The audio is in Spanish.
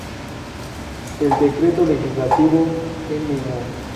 El decreto legislativo No.